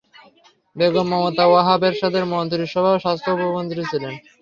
বেগম মমতা ওয়াহাব এরশাদের মন্ত্রিসভার স্বাস্থ্য উপমন্ত্রী ছিলেন।